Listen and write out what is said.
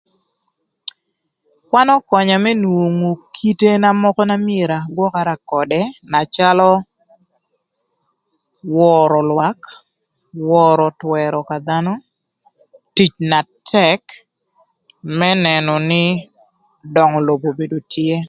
Kwan ökönya më nwongo kite na mökö myero agwökara ködë calö: wörö lwak, wörö twërö ka dhanö, tic na tëk më nënö nï döngö lobo obedo tye.